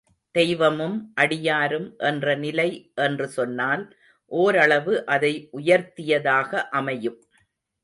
தெய்வமும் அடியாரும் என்ற நிலை என்று சொன்னால் ஓரளவு அதை உயர்த்தியதாக அமையும்.